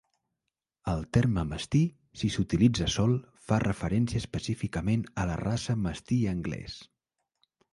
El terme "mastí", si s"utilitza sol, fa referència específicament a la raça "mastí anglès".